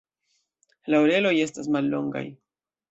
La oreloj estas mallongaj.